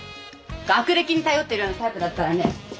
学歴に頼ってるようなタイプだったらね